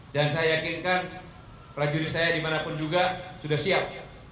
dan saya yakinkan prajurit saya dimanapun juga sudah siap